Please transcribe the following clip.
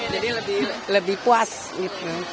jadi lebih puas gitu